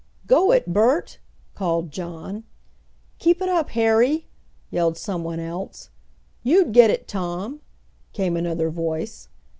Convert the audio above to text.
"Go it, Bert!" called John. "Keep it up, Harry!" yelled someone else. "You'd get it, Tom!" came another voice.